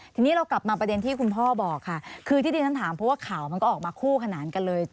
ทีนี้เรากลับมาประเด็นที่คุณพ่อบอกค่ะคือที่ที่ฉันถามเพราะว่าข่าวมันก็ออกมาคู่ขนานกันเลย